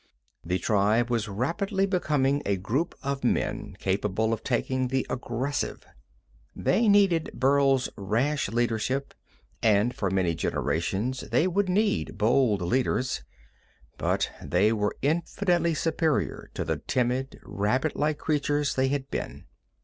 The tribe was rapidly becoming a group of men, capable of taking the aggressive. They needed Burl's rash leadership, and for many generations they would need bold leaders, but they were infinitely superior to the timid, rabbit like creatures they had been.